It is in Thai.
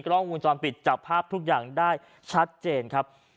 กล้องวงจรปิดจับภาพทุกอย่างได้ชัดเจนครับ